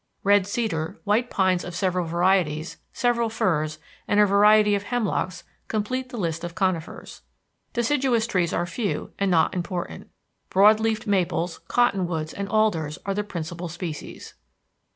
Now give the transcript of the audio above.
Red cedar, white pines of several varieties, several firs, and a variety of hemlocks complete the list of conifers. Deciduous trees are few and not important. Broad leaved maples, cottonwoods, and alders are the principal species.